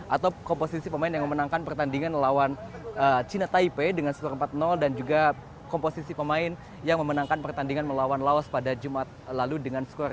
atau komposisi pemain yang memenangkan pertandingan melawan china taipei dengan skor empat dan juga komposisi pemain yang memenangkan pertandingan melawan laos pada jumat lalu dengan skor dua